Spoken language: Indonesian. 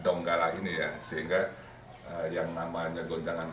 sebelah timur dari sesar palu koro ini